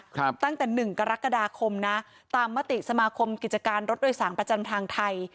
ตั้งแต่หนึ่งกรกฎาคมนะตามมติสมาคมกิจการรถโดยสารประจำทางไทย